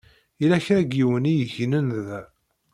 Yella kra n yiwen i yegnen da.